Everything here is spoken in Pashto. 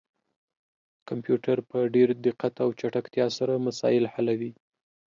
کمپيوټر په ډير دقت او چټکتيا سره مسايل حلوي